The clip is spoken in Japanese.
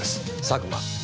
佐久間。